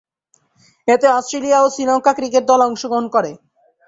এতে অস্ট্রেলিয়া ও শ্রীলঙ্কা ক্রিকেট দল অংশগ্রহণ করে।